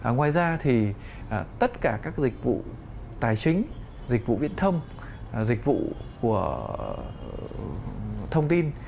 ngoài ra thì tất cả các dịch vụ tài chính dịch vụ viễn thông dịch vụ của thông tin